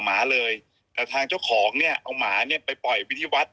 หมาเลยแต่ทางเจ้าของเนี่ยเอาหมาเนี่ยไปปล่อยไปที่วัด